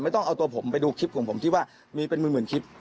ต้องเอาตัวผมไปดูคลิปของผมที่ว่ามีเป็นหมื่นคลิป